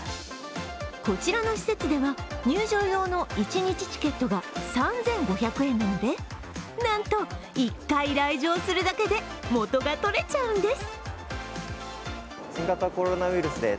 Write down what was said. こちらの施設では、入場用の１日チケットが３５００円なのでなんと、１回来場するだけで元が取れちゃうんです。